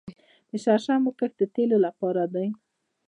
د شرشمو کښت د تیلو لپاره دی